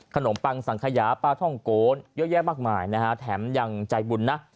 ขนมปังสังขยะปลาท่องโกลยกแยกมากมายแต่มันยังใจบุญนะ